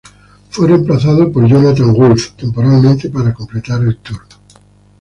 Fue reemplazado por Jonathan Wolfe temporalmente para completar el tour.